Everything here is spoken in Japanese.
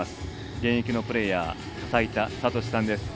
現役のプレーヤー齋田悟司さんです。